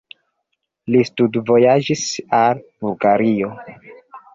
Li studvojaĝis al Bulgario.